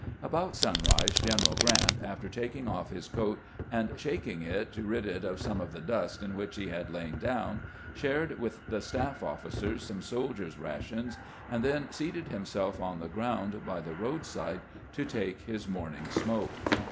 About sunrise Greneral Grant, after taking off his coat and shaking it to rid it of some of the dust in which he OUT OF THE WILDERNESS 83 had lain down, shared with the staff officers some sol diers' rations, and then seated himself on the ground by the roadside to take his morning smoke.